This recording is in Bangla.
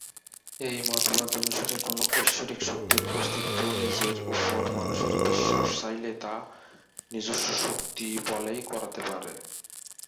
এই মতবাদ অনুসারে কোন ঐশ্বরিক শক্তির অস্তিত্ব নিজের উপর মানুষের বিশ্বাস চাইলে তা নিজস্ব শক্তি বলেই করাতে পারে।